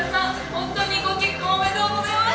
本当にご結婚おめでとうございます！